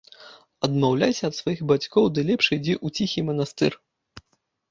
Адмаўляйся ад сваіх бацькоў ды лепш ідзі ў ціхі манастыр.